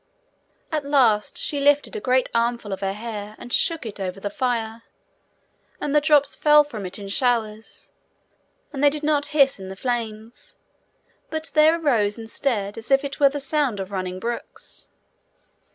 At last she lifted a great armful of her hair, and shook it over the fire, and the drops fell from it in showers, and they did not hiss in the flames, but there arose instead as it were the sound of running brooks.